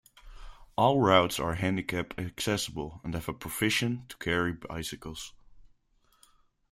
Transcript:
All routes are handicap accessible and have provision to carry bicycles.